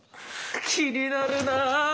気になるな！